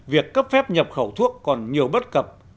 việc cấp phép nhập khẩu thuốc còn nhiều bất cập